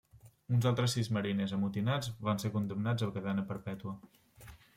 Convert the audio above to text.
Uns altres sis mariners amotinats van ser condemnats a cadena perpètua.